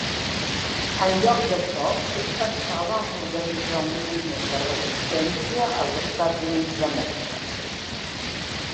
En lloc d'això, ell pensava en organitzar un moviment de resistència als Estats Units d'Amèrica.